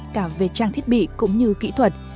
cả về trang thiết bị cũng như kỹ thuật